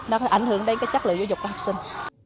nó có ảnh hưởng đến cái chất lượng giáo dục của học sinh